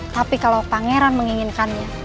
tapi kalau pangeran menginginkannya